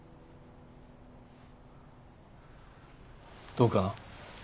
どうかな？